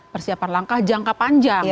persiapan langkah jangka panjang